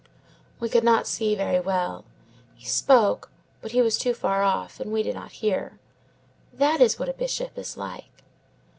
We could not see very well. He spoke; but he was too far off, and we did not hear. That is what a bishop is like."